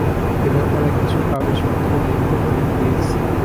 এ ব্যাপারে কিছু কাগজ-পত্র দেখতে পারি, প্লিজ?